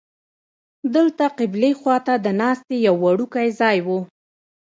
دلته قبلې خوا ته د ناستې یو وړوکی ځای و.